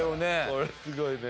これすごいね。